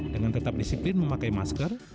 dengan tetap disiplin memakai masker